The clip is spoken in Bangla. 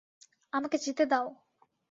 আমাকে যেতে দাও!